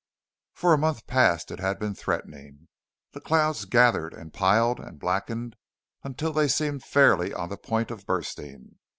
For a month past it had been threatening. The clouds gathered and piled and blackened until they seemed fairly on the point of bursting.